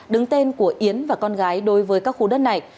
đứng tên của yến và con gái đối với các khu đất này